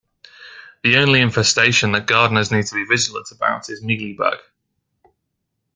The only infestation that gardeners need to be vigilant about is mealybug.